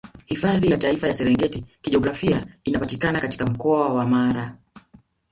Hifadhi ya Taifa ya Serengeti Kijiografia inapatikana katika Mkoa wa Mara